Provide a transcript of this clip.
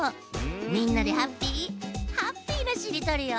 みんなでハッピーハッピーなしりとりよ。